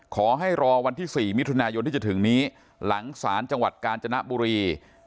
ขอให้รอวันที่๔มิถุนายนที่จะถึงนี้หลังศาลจังหวัดกาญจนบุรี